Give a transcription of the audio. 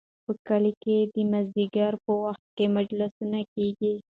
په کلي کې د مازدیګر په وخت کې مجلسونه کیږي.